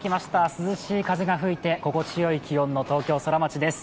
涼しい風が吹いて、心地よい気温の東京ソラマチです。